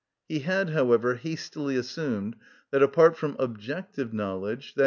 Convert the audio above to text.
He had, however, hastily assumed that, apart from objective knowledge, _i.